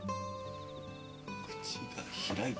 口が開いた。